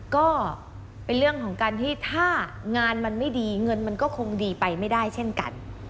ก็เป็นเรื่องของการที่ถ้างานมันไม่ดีเงินมันก็คงดีไปไม่ได้เช่นกัน